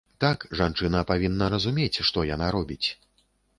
Так, жанчына павінна разумець, што яна робіць.